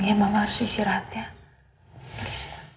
aku mau pergi dulu